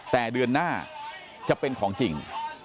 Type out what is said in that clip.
แต่เดือนหน้าจะเป็นของจริง